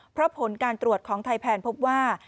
เพราะผลการตรวจของไทยแพนพบว่า